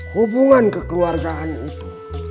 hubungan kekeluargaan itu